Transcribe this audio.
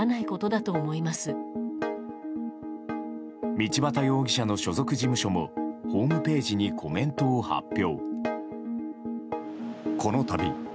道端容疑者の所属事務所もホームページにコメントを発表。